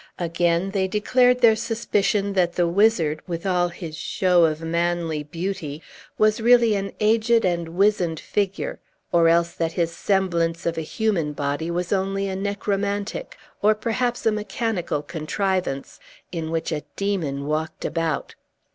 Again, they declared their suspicion that the wizard, with all his show of manly beauty, was really an aged and wizened figure, or else that his semblance of a human body was only a necromantic, or perhaps a mechanical contrivance, in which a demon walked about.